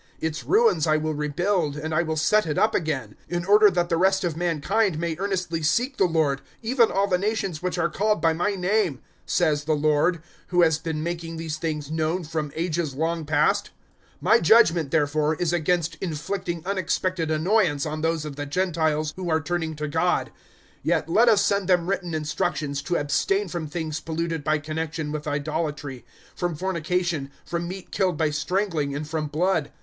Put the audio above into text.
Its ruins I will rebuild, and I will set it up again; 015:017 In order that the rest of mankind may earnestly seek the Lord even all the nations which are called by My name," 015:018 Says the Lord, who has been making these things known from ages long past.' 015:019 "My judgement, therefore, is against inflicting unexpected annoyance on those of the Gentiles who are turning to God. 015:020 Yet let us send them written instructions to abstain from things polluted by connexion with idolatry, from fornication, from meat killed by strangling, and from blood.